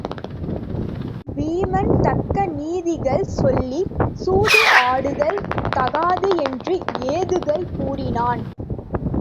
வீமன் தக்க நீதிகள் சொல்லிச் சூது ஆடுதல் தகாது என்று ஏதுகள் கூறினான்.